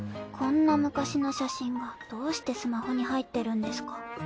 こんな昔の写真がどうしてスマホに入ってるんですか？